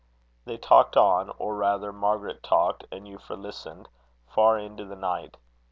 They talked on, or rather, Margaret talked and Euphra listened, far into the night.